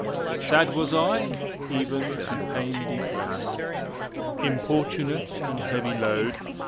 Sad was I, even to pain deprest, Importunate and heavy load!